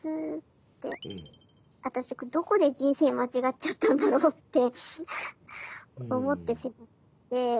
私どこで人生間違っちゃったんだろうって思ってしまって。